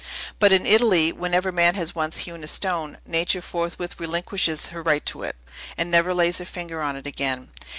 But, in Italy, whenever man has once hewn a stone, Nature forthwith relinquishes her right to it, and never lays her finger on it again.